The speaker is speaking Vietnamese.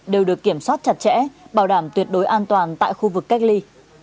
đều được kiểm soát chặt chẽ bảo đảm tuyệt đối an toàn tại khu vực cách ly